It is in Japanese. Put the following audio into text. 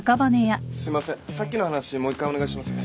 すいませんさっきの話もう１回お願いします。